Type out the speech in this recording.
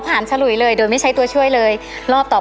ผ่านยกที่สองไปได้นะครับคุณโอ